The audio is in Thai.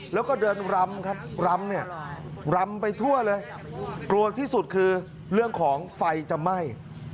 แล้วก็เดินรำครับรำเนี่ยรำไปทั่วเลยกลัวที่สุดคือเรื่องของไฟจะไหม้